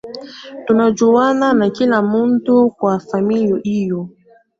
Tunajuana na kila mtu kwa familia hiyo